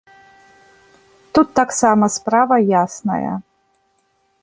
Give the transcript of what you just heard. Тут таксама справа ясная.